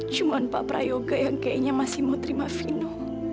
cuman pak prayo yang kayaknya masih mau terima vino